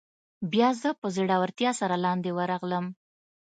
بیا زه په زړورتیا سره لاندې ورغلم.